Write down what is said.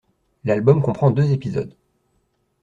L'album comprend deux épisodes.